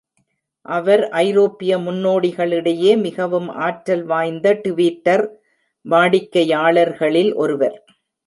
அவர் ஐரோப்பிய முன்னோடிகளிடையே மிகவும் ஆற்றல் வாய்ந்த ட்விட்டர் வாடிக்கையாளர்களில் ஒருவர்.